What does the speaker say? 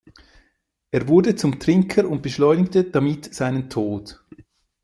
Er wurde zum Trinker und beschleunigte damit seinen Tod.